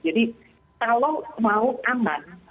jadi kalau mau aman